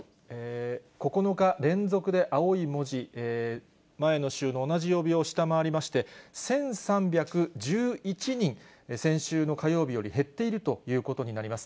９日連続で青い文字、前の週の同じ曜日を下回りまして、１３１１人、先週の火曜日より減っているということになります。